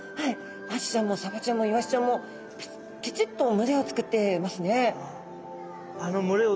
アジちゃんもサバちゃんもイワシちゃんもきちっと群れをつくってますね。